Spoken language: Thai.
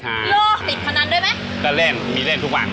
ติดพันธุ์ด้วยไหมเป็นเร่งมีเร่งทุกวัน